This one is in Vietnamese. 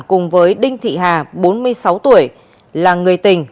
cùng với đinh thị hà bốn mươi sáu tuổi là người tình